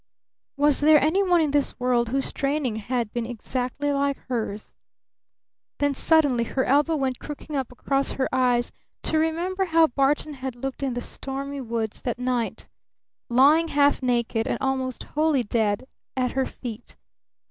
Was there any one in this world whose training had been exactly like hers? Then suddenly her elbow went crooking up across her eyes to remember how Barton had looked in the stormy woods that night lying half naked and almost wholly dead at her feet.